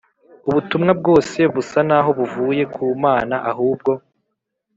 ubutumwa bwose busa naho buvuye ku Mana ahubwo